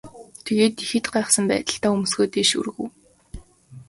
Тэгээд ихэд гайхсан байдалтай хөмсгөө дээш өргөв.